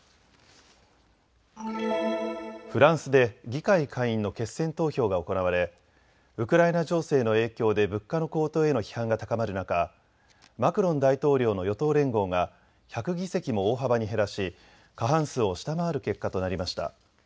フランスで議会下院の決選投票が行われウクライナ情勢の影響で物価の高騰への批判が高まる中、マクロン大統領の与党連合が１００議席も大幅に減らし過半数を下回る結果となりました。